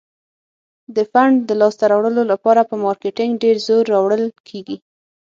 د فنډ د لاس ته راوړلو لپاره په مارکیټینګ ډیر زور راوړل کیږي.